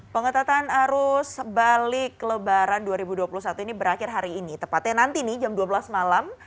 pengetatan arus balik lebaran dua ribu dua puluh satu ini berakhir hari ini tepatnya nanti nih jam dua belas malam